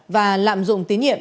và lạm dụng tín nhiệm